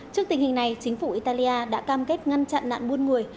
trước tình hình này chính phủ italia đã cam kết ngăn chặn nạn buôn người